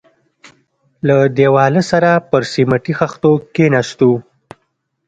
له دېواله سره پر سميټي خښتو کښېناستو.